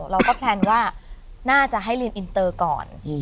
เราก็แพลนว่าน่าจะให้ลืมอินเตอร์ก่อน